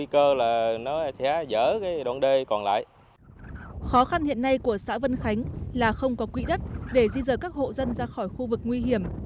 khó khăn hiện nay của xã vân khánh là không có quỹ đất để di rời các hộ dân ra khỏi khu vực nguy hiểm